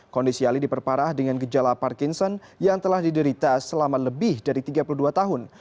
kondisi ali diperparah dengan gejala parkinson yang telah diderita selama lebih dari tiga puluh dua tahun